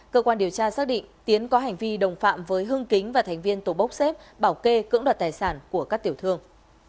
cơ quan điều tra xác định tiến có hành vi đồng phạm với hưng kính và thành viên tổ bốc xếp bảo kê cưỡng đoạt tài sản của các tiểu thương